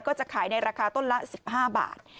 ก็จะขายในราคาต้นละ๑๕บาท